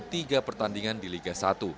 tiga pertandingan di liga satu